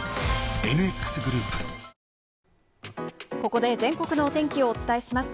ここで全国のお天気をお伝えします。